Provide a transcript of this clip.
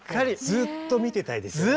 ずっと見てたいですよね。